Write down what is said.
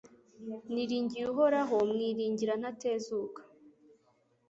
Niringiye Uhoraho mwiringira ntatezuka